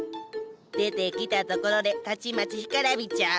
出てきたところでたちまち干からびちゃう。